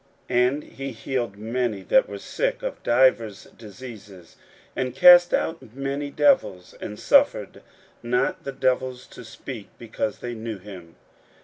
41:001:034 And he healed many that were sick of divers diseases, and cast out many devils; and suffered not the devils to speak, because they knew him.